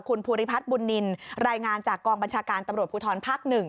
คุณภูริพัฒน์บุญนินรายงานจากกองบัญชาการตำรวจภูทรภาค๑